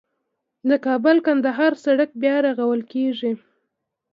د کابل - کندهار سړک بیا رغول کیږي